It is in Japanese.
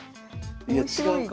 いや違うか。